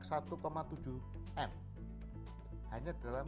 sudah asetnya sudah satu tujuh m